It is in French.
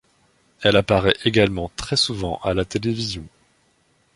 Elle apparaît également très souvent à la télévision.